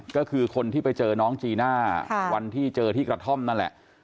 ก็คือคนที่ไปเจอน้องจีน่าวันที่เจอที่กระท่อมนั่นแหละ